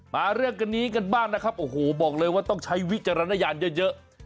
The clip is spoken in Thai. มาเรื่องกันนี้กันบ้างนะครับโอ้โหบอกเลยว่าต้องใช้วิจารณญาณเยอะ